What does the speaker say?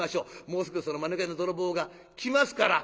もうすぐそのマヌケな泥棒が来ますから」。